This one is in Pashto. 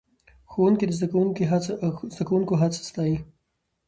ښوونکی د زده کوونکو هڅې ستایي